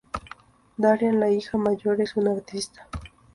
Daria, la hija mayor, es una artista.